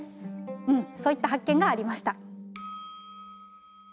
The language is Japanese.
うんそういった発見がありました。